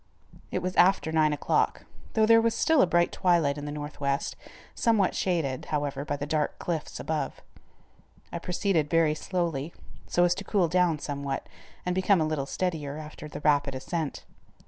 It was after nine o'clock, though there was still a bright twilight in the northwest, somewhat shaded, however, by the dark cliffs above. I proceeded very slowly, so as to cool down somewhat and become a little steadier after the rapid ascent.